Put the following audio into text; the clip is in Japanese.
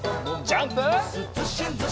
ジャンプ！